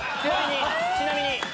ちなみに？